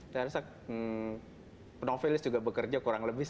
saya rasa novelis juga bekerja kurang lebih dengan skup yang lebih luas